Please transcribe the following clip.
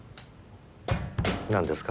何ですか？